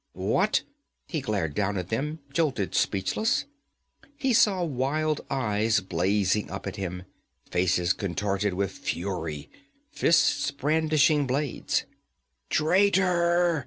'What?' He glared down at them, jolted speechless. He saw wild eyes blazing up at him, faces contorted with fury, fists brandishing blades. 'Traitor!'